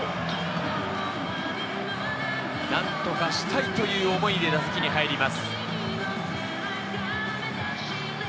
何とかしたいという思いで打席に入ります。